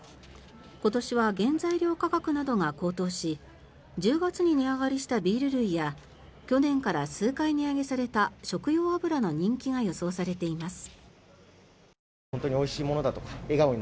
今年は原材料価格などが高騰し１０月に値上がりしたビール類や去年から数回値上げされた食用油の人気が予想されています。